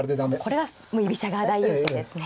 これは居飛車側大優勢ですね。